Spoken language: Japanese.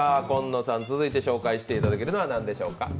紺野さん、続いて紹介していただけるのは何でしょうか？